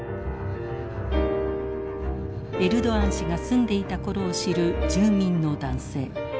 エルドアン氏が住んでいた頃を知る住民の男性。